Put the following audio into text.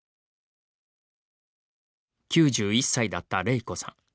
９１歳だった、れいこさん。